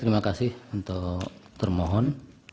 terima kasih untuk termohon